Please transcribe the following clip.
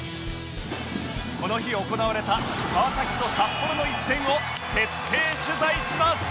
この日行われた川崎と札幌の一戦を徹底取材します！